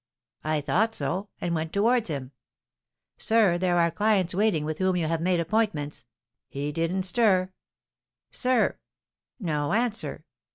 "I thought so, and went towards him: 'Sir, there are clients waiting with whom you have made appointments.' He didn't stir. 'Sir!' No answer.